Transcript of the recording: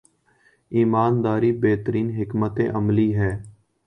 ایمان داری بہترین حکمت عملی ہے۔